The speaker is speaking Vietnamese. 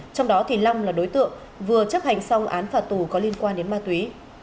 trong đó thì long là đối tượng vừa chấp hành xong án phạt tù có liên quan đến ma túy